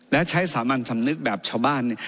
และใช้สามัญสำนึกแบบชาวบ้าน